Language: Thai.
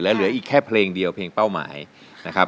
เหลืออีกแค่เพลงเดียวเพลงเป้าหมายนะครับ